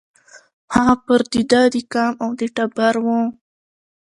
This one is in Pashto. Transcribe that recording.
هغه پر د ده د قام او د ټبر وو